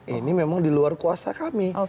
ini memang di luar kuasa kami